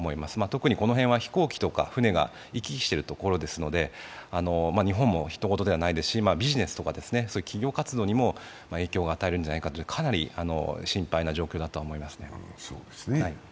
特にこの辺は、飛行機とか船が行き来しているところですので日本もひと事ではないですし、ビジネスとか企業活動にも影響を与えるんじゃないかというかなり心配な状況だとは思いますね。